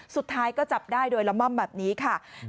สุดท้ายก็จับได้โดยละม่อมแบบนี้ค่ะ